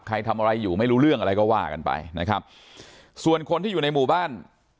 ทำอะไรอยู่ไม่รู้เรื่องอะไรก็ว่ากันไปนะครับส่วนคนที่อยู่ในหมู่บ้าน